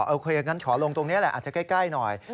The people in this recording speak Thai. โอเคอย่างนั้นขอลงตรงนี้แหละอาจจะใกล้หน่อย